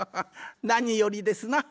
なによりですな。